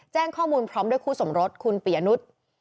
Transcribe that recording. แจ้งข้อมูลพร้อมด้วยคู่สมรสคุณปียนุษย์